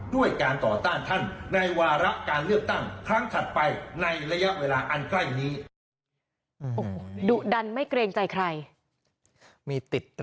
ด้วยการต่อต้านท่านในวาระการเลือกตั้งครั้งถัดไปในระยะเวลาอันใกล้นี้